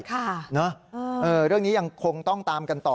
เรื่องนี้ยังคงต้องตามกันต่อ